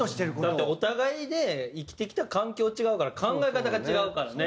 だってお互いで生きてきた環境違うから考え方が違うからね。